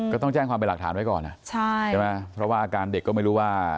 ก็ต้องแจ้งความเป็นหลักฐานไว้ก่อนใช่ไหมเพราะว่าอาการเด็กก็ไม่รู้ว่า